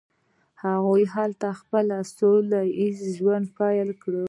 هغوی هلته خپل سوله ایز ژوند پیل کړ.